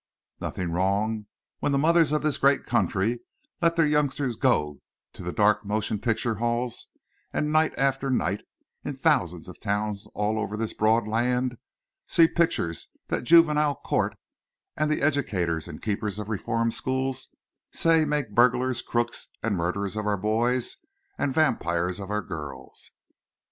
Nothing wrong when the mothers of this great country let their youngsters go to the dark motion picture halls and night after night in thousands of towns over all this broad land see pictures that the juvenile court and the educators and keepers of reform schools say make burglars, crooks, and murderers of our boys and vampires of our girls?